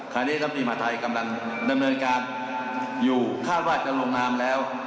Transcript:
คราวนี้รัฐบนียมาทัยกำลังดำเนินการอยู่คาดว่าจะลงทางแล้ว